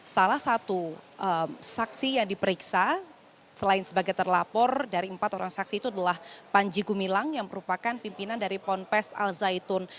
salah satu saksi yang diperiksa selain sebagai terlapor dari empat orang saksi itu adalah panji gumilang yang merupakan pimpinan dari ponpes al zaitun